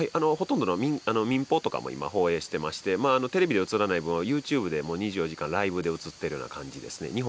ほとんどの民放とかも今、放映してまして、テレビで映らない分、ユーチューブで２４時間ライブで写ってるような感じですね。